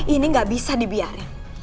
ini gak bisa dibiarin